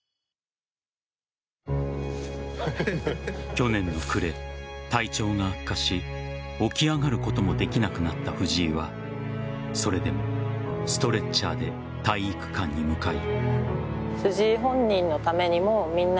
去年の暮れ、体調が悪化し起き上がることもできなくなった藤井はそれでもストレッチャーで体育館に向かい。